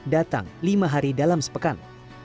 datang lima hari dalam sepekan